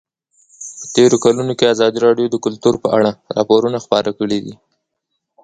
په تېرو کلونو کې ازادي راډیو د کلتور په اړه راپورونه خپاره کړي دي.